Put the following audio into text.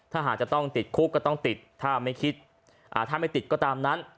ถ้าหากจะต้องติดคุกก็ต้องติดถ้าไม่คิดถ้าไม่ติดก็ตามนั้น